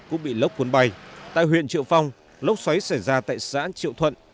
cũng bị lốc cuốn bay tại huyện triệu phong lốc xoáy xảy ra tại xã triệu thuận